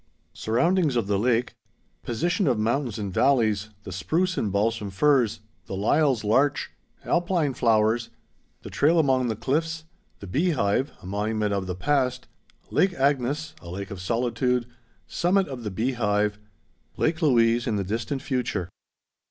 _Surroundings of the Lake—Position of Mountains and Valleys—The Spruce and Balsam Firs—The Lyall's Larch—Alpine Flowers—The Trail among the Cliffs—The Beehive, a Monument of the Past—Lake Agnes, a Lake of Solitude—Summit of the Beehive—Lake Louise in the Distant Future.